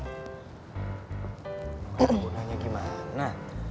gak ada gunanya gimana